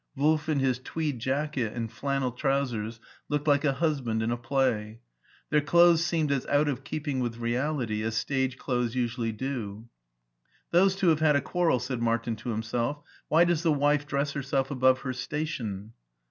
Wolf in his tweed jacket and flannel trousers looked like a husband in a play. Their clothes seemed as out of keeping with reality as stage clothes usually do. "Those two have had a quarrel," said Martin to himself; " why does the wife dress herself above her station